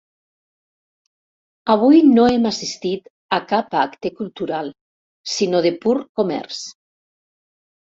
Avui no hem assistit a cap acte cultural, sinó de pur comerç.